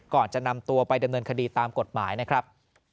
ก่อนจะนำตัวไปดำเนินคดีตามกฎหมายนะครับ